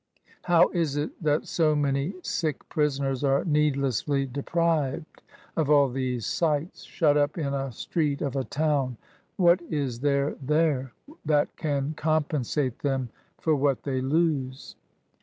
How is it that so jnany sick prisoners are needlessly deprived of all these sights; shut up in a street of a town ? What is there there, that can compensate them for what they lose